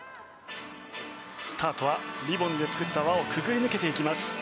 スタートはリボンで作った輪をくぐり抜けていきます。